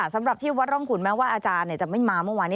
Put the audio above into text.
สำหรับที่วัดร่องขุนแม้ว่าอาจารย์จะไม่มาเมื่อวาน